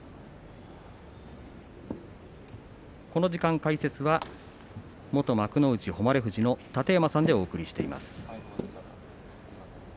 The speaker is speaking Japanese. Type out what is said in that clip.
この時間、解説は元幕内誉富士の楯山さんでお送りしています。